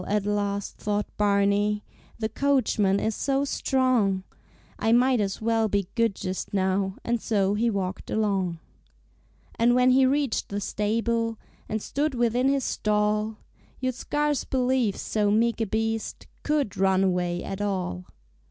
at last thought Barney, "The coachman is so strong, I might as well be good just now," And so he walked along. And when he reached the stable And stood within his stall You'd scarce believe so meek a beast Could run away at all!